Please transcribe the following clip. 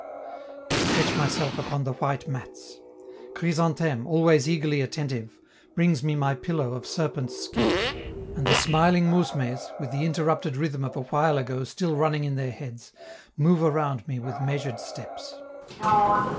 I stretch myself upon the white mats; Chrysantheme, always eagerly attentive, brings me my pillow of serpent's skin; and the smiling mousmes, with the interrupted rhythm of a while ago still running in their heads, move around me with measured steps.